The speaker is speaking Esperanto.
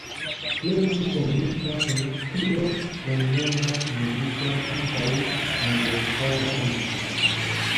Pro tiu komunika funkcio oni nomas muzikon ankaŭ ""universala lingvo"".